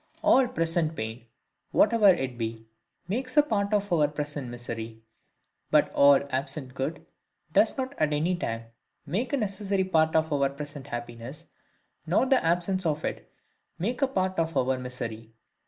All present pain, whatever it be, makes a part of our present misery: but all absent good does not at any time make a necessary part of our present happiness, nor the absence of it make a part of our misery.